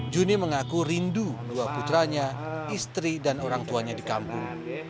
juni mengaku rindu dua putranya istri dan orang tuanya di kampung